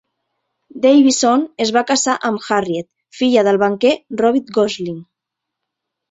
Davison es va casar amb Harriett, filla del banquer Robert Gosling.